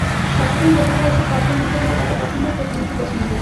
সচেতন ভোটাররা এসব প্রার্থীর মধ্য থেকে তাঁদের পছন্দের প্রতিনিধি বেছে নেবেন।